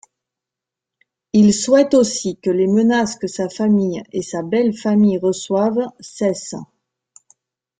Il souhaite aussi que les menaces que sa famille et sa belle-famille reçoivent cessent.